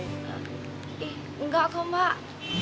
ih enggak kok mbak